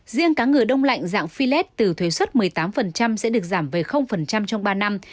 riêng cá ngừ đông lạnh dạng filet từ thuế xuất một mươi tám sẽ được giảm về trong ba năm